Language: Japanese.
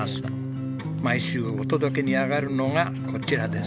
毎週お届けに上がるのがこちらです。